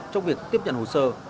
trong việc tiếp nhận hồ sơ